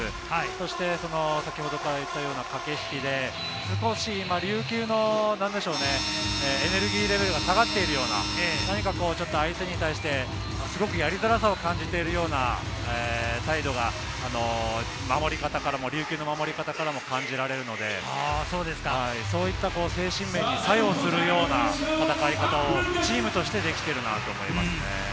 そして先程から言っているような駆け引きで少し琉球のエネルギーレベルが下がっているような、何か相手に対してやりづらさを感じているような態度が守り方からも感じられるので、そういった精神面に左右するような戦い方をチームとしてできているなと思いますね。